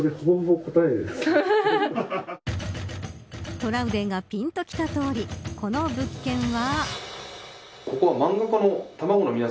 トラウデンがぴんときたとおりこの物件は。